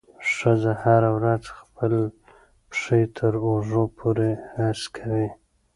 ښځه هره ورځ خپل پښې تر اوږو پورې هسکوي.